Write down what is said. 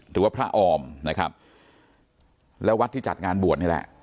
หรือว่าพระออมนะครับแล้ววัดที่จัดงานบวชนี่แหละ